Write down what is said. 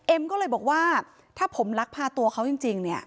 เอ็มก็เลยบอกว่าถ้าผมลักพาตัวเขาจริง